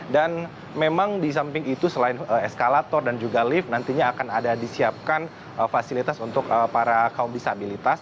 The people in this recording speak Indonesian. dan memang di samping itu selain eskalator dan juga lift nantinya akan ada disiapkan fasilitas untuk para kaum disabilitas